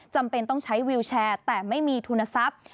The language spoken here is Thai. จำเป็นต้องใช้วิวแชร์แต่ไม่มีทุนทรัพย์